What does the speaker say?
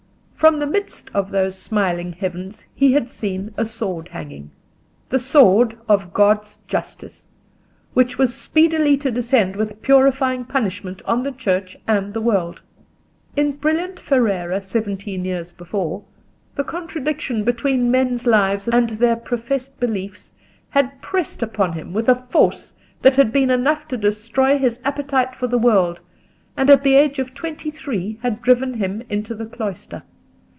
From the midst of those smiling heavens he had seen a sword hanging—the sword of God's justice—which was speedily to descend with purifying punishment on the Church and the world. In brilliant Ferrara, seventeen years before, the contradiction between men's lives and their professed beliefs had pressed upon him with a force that had been enough to destroy his appetite for the world, and at the age of twenty three had driven him into the cloister.